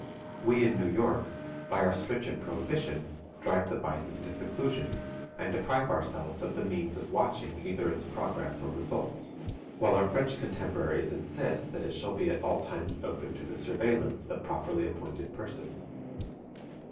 We in New York, by our stringent prohibition, drive the vice into seclusion, and deprive ourselves of the means of watching either its progress or results; while our French contemporaries insist that it shall be at all times open to the surveillance of properly appointed persons.